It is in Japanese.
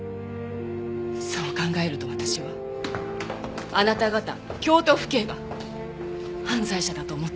そう考えると私はあなた方京都府警が犯罪者だと思っています。